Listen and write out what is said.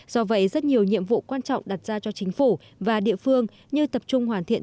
do vậy rất nhiều nhiệm vụ quan trọng đặt ra cho chính phủ và địa phương như tập trung hoàn thiện